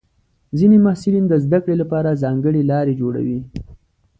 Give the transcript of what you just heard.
ځینې محصلین د زده کړې لپاره ځانګړې لارې جوړوي.